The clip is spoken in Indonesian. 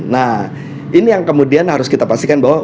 nah ini yang kemudian harus kita pastikan bahwa